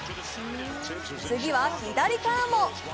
次は左からも！